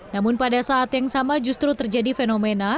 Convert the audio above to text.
namun pada saat yang sama justru terjadi fenomena